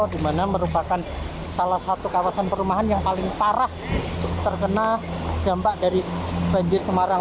di mana merupakan salah satu kawasan perumahan yang paling parah terkena dampak dari banjir semarang